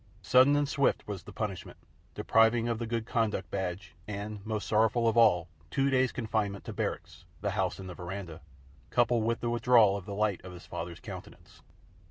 Sudden and swift was the punishment deprivation of the good conduct badge and, most sorrowful of all, two days' confinement to barracks the house and veranda coupled with the withdrawal of the light of his father's countenance.